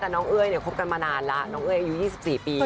แต่น้องเอ้ยเนี่ยคบกันมานานแล้วน้องเอ้ยอายุ๒๔ปี